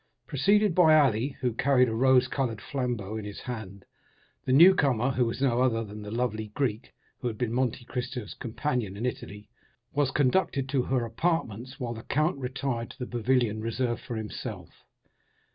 Preceded by Ali, who carried a rose colored flambeau in his hand, the young lady, who was no other than the lovely Greek who had been Monte Cristo's companion in Italy, was conducted to her apartments, while the count retired to the pavilion reserved for himself.